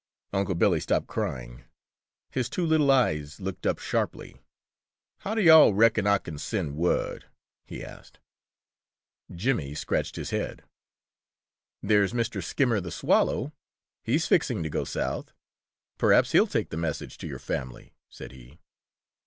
Unc' Billy stopped crying. His two little eyes looked up sharply. "How do yo'all reckon Ah can send word?" he asked. Jimmy scratched his head. "There's Mr. Skimmer the Swallow; he's fixing to go South. Perhaps he'll take the message to your family," said he.